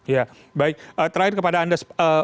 ya baik terakhir kepada anda